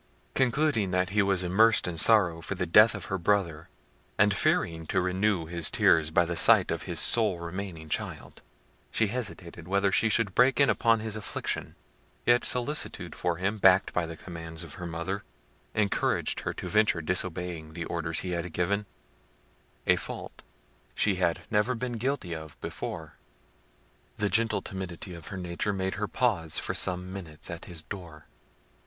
Concluding that he was immersed in sorrow for the death of her brother, and fearing to renew his tears by the sight of his sole remaining child, she hesitated whether she should break in upon his affliction; yet solicitude for him, backed by the commands of her mother, encouraged her to venture disobeying the orders he had given; a fault she had never been guilty of before. The gentle timidity of her nature made her pause for some minutes at his door.